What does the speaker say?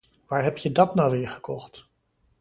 Waar heb je dat nou weer gekocht?